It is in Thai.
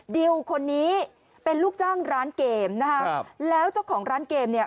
ดิวคนนี้เป็นลูกจ้างร้านเกมนะฮะครับแล้วเจ้าของร้านเกมเนี่ย